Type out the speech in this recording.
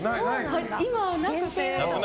今はなくて。